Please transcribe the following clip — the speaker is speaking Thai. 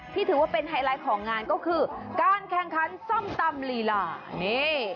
ถือว่าเป็นไฮไลท์ของงานก็คือการแข่งขันส้มตำลีลานี่